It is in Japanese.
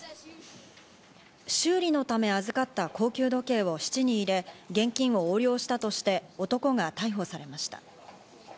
修理のため預かった高級時計を質に入れ、現金を横領したとして男が逮捕されました。